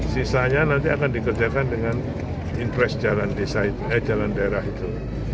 sisanya nanti akan dikerjakan dengan interest jalan desa itu eh jalan daerah itu